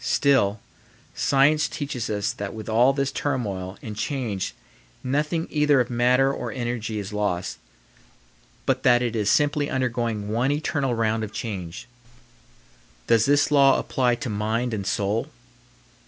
Still, science teaches us that with all this turmoil and change nothing either of matter or energy is lost, but that it is simply undergoing one eternal round of change. Does this law apply to mind and soul?